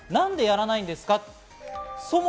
なんでやらないんですか。